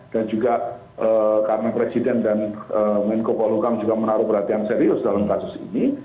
dan juga karena presiden dan menko polokam juga menaruh perhatian serius dalam kasus ini